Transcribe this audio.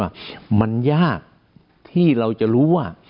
ว่ามันยากที่เราจะรู้ว่า